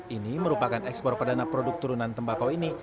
ini merupakan ekspor perdana produk turunan tembakau ini